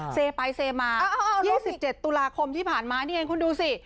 เซไปเซมา๒๗ตุลาคมที่ผ่านมานี่เองคุณดูสิ